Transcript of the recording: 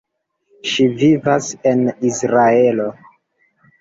Ŝi vivas en Izraelo.